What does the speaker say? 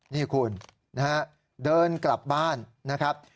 นี่คุณนะฮะเดินกลับบ้านนะครับ